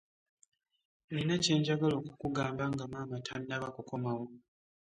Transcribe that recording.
Nina kyenjagala okukugamba nga maama tanaba kukomawo.